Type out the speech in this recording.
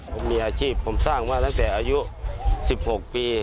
ผมมีอาชีพผมสร้างมาตั้งแต่อายุ๑๖ปี